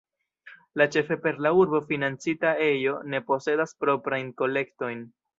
La ĉefe per la urbo financita ejo ne posedas proprajn kolektojn.